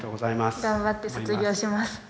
頑張って卒業します。